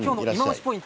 ポイント。